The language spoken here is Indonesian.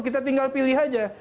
kita tinggal pilih aja